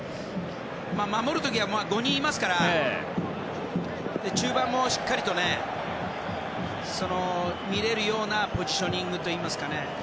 守る時は５人いますから中盤もしっかりと見れるようなポジショニングといいますか。